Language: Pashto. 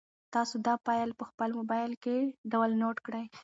تاسو دا فایل په خپل موبایل کې ډاونلوډ کړئ.